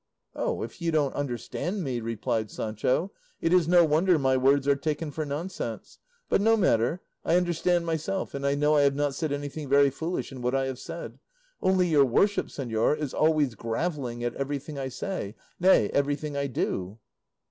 "Oh, if you don't understand me," replied Sancho, "it is no wonder my words are taken for nonsense; but no matter; I understand myself, and I know I have not said anything very foolish in what I have said; only your worship, señor, is always gravelling at everything I say, nay, everything I do."